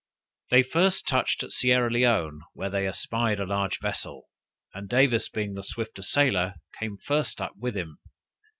They first touched at Sierra Leone, where they espied a large vessel, and Davis being the swifter sailer, came first up with him.